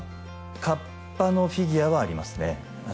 河童のフィギュアはありますね